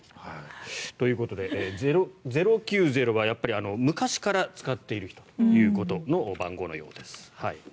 ということで、０９０はやっぱり昔から使っている人の番号のようです。